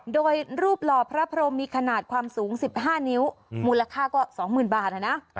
โดยรูปหล่อพระพรมมีขนาดความสูง๑๕นิ้วมูลค่าก็๒๐๐๐บาทนะ